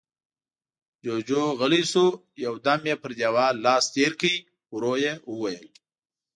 جُوجُو غلی شو، يو دم يې پر دېوال لاس تېر کړ، ورو يې وويل: